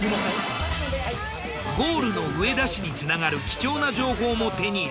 ゴールの上田市につながる貴重な情報も手に入れ